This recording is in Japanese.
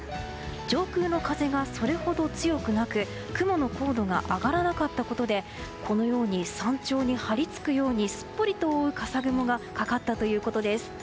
上空の風がそれほど強くなく雲の高度が上がらなかったことでこのように山頂に張り付くようにすっぽりと覆う笠雲がかかったということです。